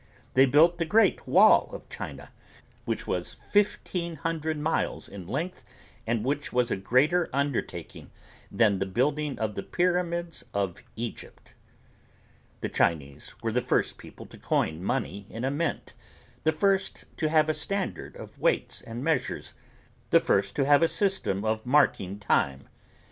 They built the Great Wall of China which was fifteen hundred miles in length and which was a greater undertaking than the building of the Pyramids of Egypt. The Chinese were the first people to coin money in a mint; the first to have a standard of weights and measures; the first to have a system of marking time.